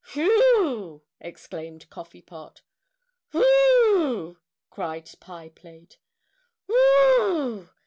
"Whew!" exclaimed Coffee Pot. "Whew!" cried Pie Plate. "Whew!"